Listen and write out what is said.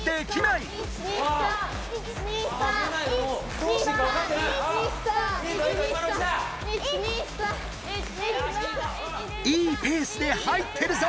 いいペースで入ってるぞ！